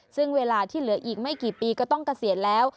ซึ่งเวลาที่เหลืออีกไม่กี่ปีก็ต้องเกษียณแล้ว